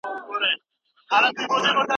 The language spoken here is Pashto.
هغه وویل چي د ساینس په څانګه کي کار بل ډول دی.